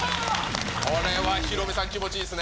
これはヒロミさん、気持ちいいですね。